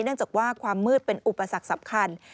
เนื่องจากว่าความมืดเป็นอุปสรรคสำคัญ